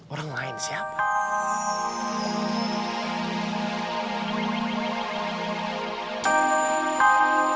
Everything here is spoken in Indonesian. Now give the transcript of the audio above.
orang lain siapa